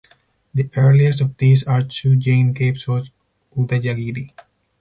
The earliest of these are two Jain caves of Udayagiri.